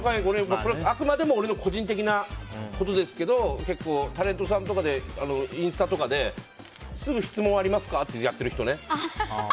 あくまでも個人的なことですけど結構タレントさんとかでインスタとかですぐ質問ありますか？ってやってる人ね。